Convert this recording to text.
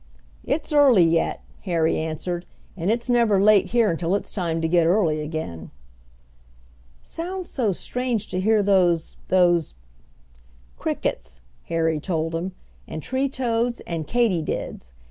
"It's early yet," Harry answered, "and it's never late here until it's time to get early again." "Sounds so strange to hear those those " "Crickets," Harry told him, "and tree toads and katydids.